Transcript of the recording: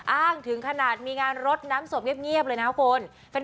อ้างถึงขนาดมีงานรถน้ำสวบเงียบเลยนะครับคุณ